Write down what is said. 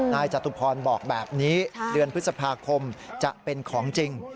จตุพรบอกแบบนี้เดือนพฤษภาคมจะเป็นของจริง